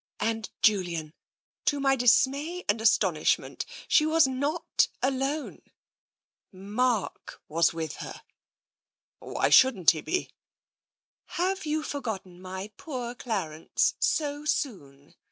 " And, Julian, to my dismay and astonishment, she was not alone. Mark was with her." " Why shouldn't he be ?"" Have you forgotten my poor Clarence so soon?